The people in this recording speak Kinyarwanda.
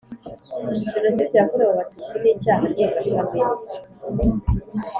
Jenoside yakorewe Abatutsi ni icyaha ndengakamere.